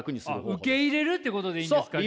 受け入れるってことでいいんですか？